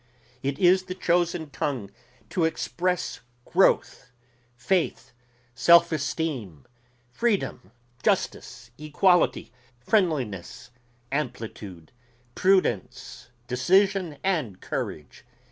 It is the chosen tongue to express growth faith self esteem freedom justice equality friendliness amplitude prudence decision and courage.